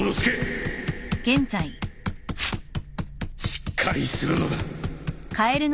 しっかりするのだ